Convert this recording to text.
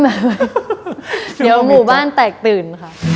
เดี๋ยวหมู่บ้านแตกตื่นค่ะ